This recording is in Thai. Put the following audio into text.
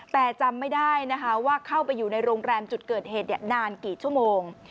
แต่จำไม่ได้นะคะว่าเข้าไปอยู่ในโรงแรมจุดเกิดเหตุนานกี่ชั่วโมง